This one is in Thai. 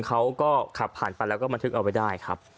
เขาก็ขับผ่านไปแล้วก็บันทึกเอาไว้ได้ครับ